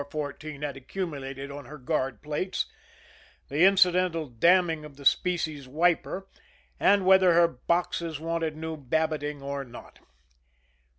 414 had accumulated on her guard plates, the incidental damning of the species wiper, and whether her boxes wanted new babbitting or not.